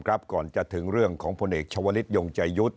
ก่อนจะถึงเรื่องของคนเอกชาวลิกยงจะยุด